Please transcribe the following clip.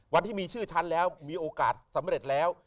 วันที่มีชื่อฉันแล้วมีโอกาสสำเร็จแล้ว